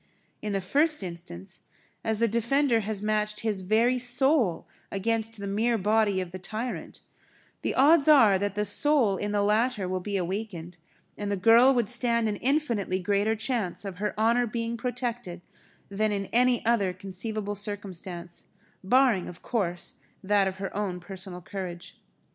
In the first instance, as the defender has matched his very soul against the mere body of the tyrant, the odds are that the soul in the latter will be awakened, and the girl would stand an infinitely greater chance of her honour being protected than in any other conceivable circumstance, barring of course, that of her own personal courage.